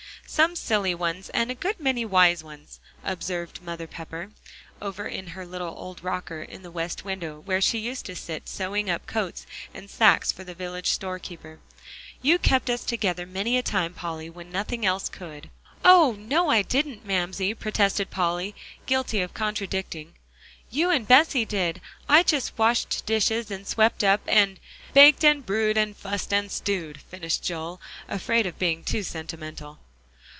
"Some silly ones, and a good many wise ones," observed Mother Pepper, over in her little old rocker in the west window, where she used to sit sewing up coats and sacks for the village storekeeper. "You kept us together many a time, Polly, when nothing else could." "Oh! no, I didn't, Mamsie," protested Polly, guilty of contradicting, "you and Bessie did. I just washed dishes, and swept up, and" "Baked and brewed, and fussed and stewed," finished Joel, afraid of being too sentimental.